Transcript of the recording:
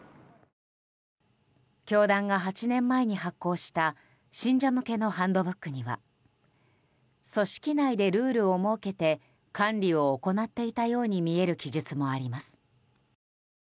教団が８年前に発行した信者向けのハンドブックには組織内でルールを設けて管理を行っていたように見える記述もあります。